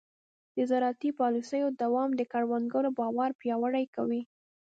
د زراعتي پالیسیو دوام د کروندګر باور پیاوړی کوي.